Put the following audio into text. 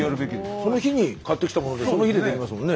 その日に買ってきたものでその日でできますもんね。